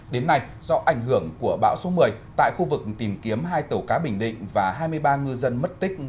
đến nay do ảnh hưởng của bão số một mươi tại khu vực tìm kiếm hai tàu cá bình định và hai mươi ba ngư dân mất tích